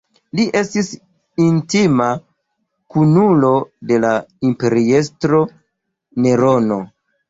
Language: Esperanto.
Li estis intima kunulo de la imperiestro Nerono.